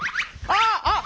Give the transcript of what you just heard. あっ！